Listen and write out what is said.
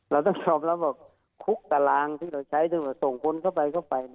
เราต้องชอบแล้วว่าคุกตารางที่เราใช้ที่เราส่งคนเข้าไป